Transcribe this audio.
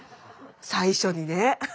最初にね。